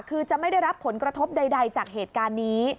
คือจะไม่ได้รับผลกระทบใดจากเหตุการณ์นี้